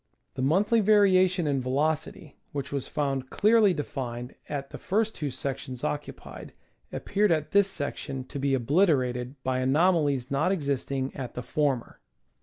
The monthly variation in velocity, which was found clearly de fined at the first two sections occupied, appeared at this section to be obliterated by anomalies not existing at the former.